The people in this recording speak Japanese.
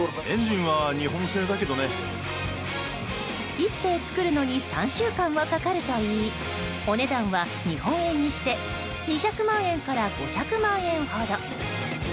１艇造るのに３週間はかかるといいお値段は、日本円にして２００万円から５００万円ほど。